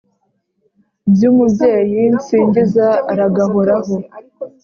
By'Umubyeyi nsingiza; aragahoraho